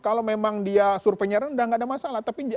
kalau memang dia surveinya rendah nggak ada masalah